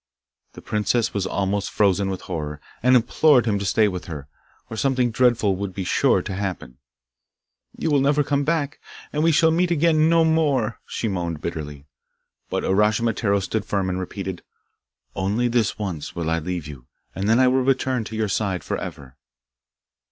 The princess was almost frozen with horror, and implored him to stay with her, or something dreadful would be sure to happen. 'You will never come back, and we shall meet again no more,' she moaned bitterly. But Uraschimataro stood firm and repeated, 'Only this once will I leave you, and then will I return to your side for ever.